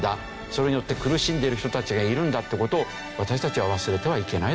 それによって苦しんでいる人たちがいるんだっていう事を私たちは忘れてはいけないだろうと思いますね。